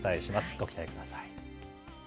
ご期待ください。